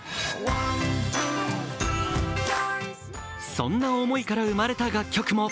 そんな思いから生まれた楽曲も。